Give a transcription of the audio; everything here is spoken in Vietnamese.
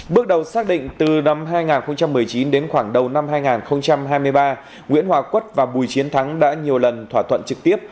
bước đầu xác định từ năm hai nghìn một mươi chín đến khoảng đầu năm hai nghìn hai mươi ba nguyễn hòa quất và bùi chiến thắng đã nhiều lần thỏa thuận trực tiếp